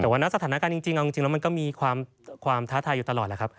แต่ว่าณสถานการณ์จริงเอาจริงแล้วมันก็มีความท้าทายอยู่ตลอดแหละครับ